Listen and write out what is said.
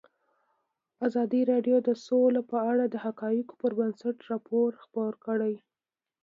ازادي راډیو د سوله په اړه د حقایقو پر بنسټ راپور خپور کړی.